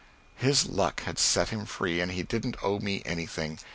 His luck had set him free, and he didn't owe me anything.